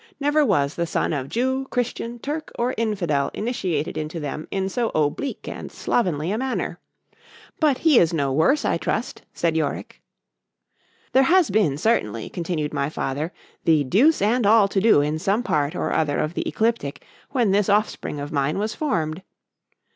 —Never was the son of Jew, Christian, Turk, or Infidel initiated into them in so oblique and slovenly a manner.—But he is no worse, I trust, said Yorick.—There has been certainly, continued my father, the deuce and all to do in some part or other of the ecliptic, when this offspring of mine was formed.